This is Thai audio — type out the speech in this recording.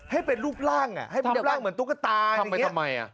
ให้เป็นรูปร่างให้เป็นรูปร่างเหมือนตุ๊กตาอย่างนี้